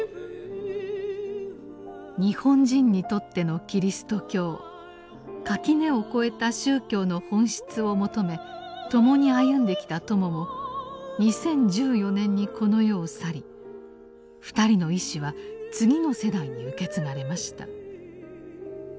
日本人にとってのキリスト教垣根を越えた宗教の本質を求め共に歩んできた友も２０１４年にこの世を去り２人の遺志は次の世代に受け継がれました。